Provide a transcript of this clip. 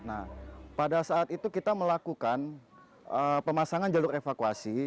nah pada saat itu kita melakukan pemasangan jalur evakuasi